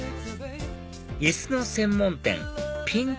椅子の専門店Ｐ！